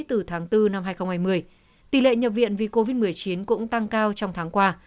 từ tháng bốn năm hai nghìn hai mươi tỷ lệ nhập viện vì covid một mươi chín cũng tăng cao trong tháng qua